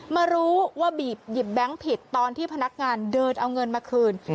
มารู้ว่าบีบหยิบแบงค์ผิดตอนที่พนักงานเดินเอาเงินมาคืน